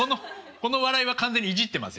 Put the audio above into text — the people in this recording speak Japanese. この笑いは完全にいじってますよ。